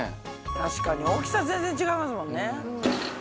確かに大きさ全然違いますもんね。